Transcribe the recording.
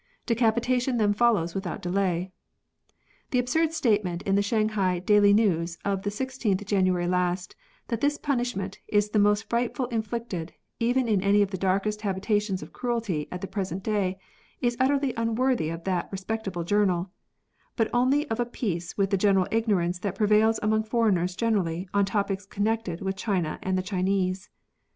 Decapitation then follows without delay. The absurd statement in the Shanghai Daily Neivs of the 16th January last, that this punishment "is the most frightful inflicted, even in any of the darkest habitations of cruelty, at the present day," is utterly unworthy of that respectable journal, but only of a piece with the general ignorance that prevails among foreigners generally on topics connected with China and the Chinese.